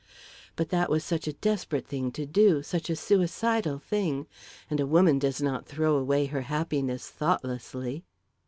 But that was such a desperate thing to do; such a suicidal thing; and a woman does not throw away her happiness thoughtlessly!